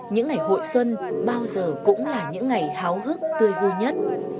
những ngày hội xuân bao giờ cũng là những ngày háo hức tươi vui nhất